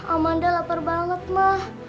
amanda lapar banget mah